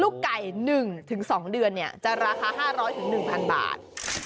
ลูกไก่๑๒เดือนเนี่ยจะราคา๕๐๐๑๐๐๐บาท